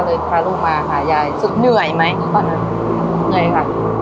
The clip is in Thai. ก็เลยพาลูกมาหายายตอนนั้นเหนื่อยไหมเหนื่อยค่ะ